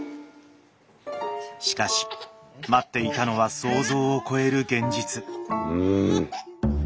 しかし待っていたのは想像を超える現実うん。